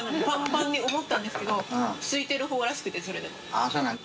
あっそうなん？